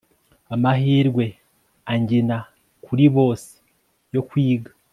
amahirwe angina kuri bose yo kwiga